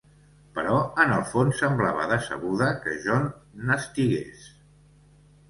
Però, en el fons, semblava decebuda que jo n'estigués.